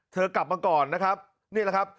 กลับมาก่อนนะครับนี่แหละครับ